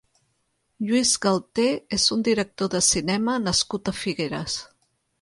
Lluís Galter és un director de cinema nascut a Figueres.